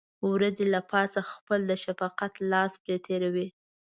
وريځې له پاسه خپل د شفقت لاس پرې تېروي.